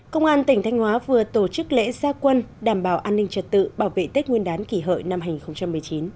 công an tỉnh thanh hóa vừa tổ chức lễ gia quân đảm bảo an ninh trật tự bảo vệ tết nguyên đán kỷ hợi năm hai nghìn một mươi chín